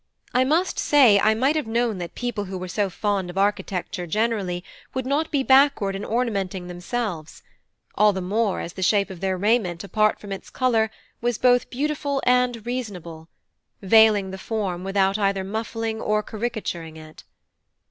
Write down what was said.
I must say, I might have known that people who were so fond of architecture generally, would not be backward in ornamenting themselves; all the more as the shape of their raiment, apart from its colour, was both beautiful and reasonable veiling the form, without either muffling or caricaturing it.